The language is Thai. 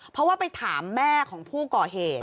เพราะว่าไปถามแม่ของผู้ก่อเหตุ